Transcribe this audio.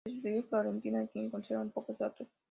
Le sucedió Florentino, de quien se conservan pocos datos.